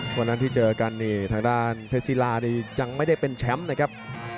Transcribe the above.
วันนั้นที่เจอกันนี่ทางด้านเพชรศิลานี่ยังไม่ได้เป็นแชมป์นะครับ